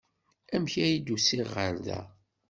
Amek ay d-usiɣ ɣer da?